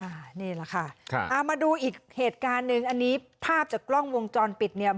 อันนี้แหละค่ะครับเอามาดูอีกเหตุการณ์หนึ่งอันนี้ภาพจากกล้องวงจรปิดเนี่ย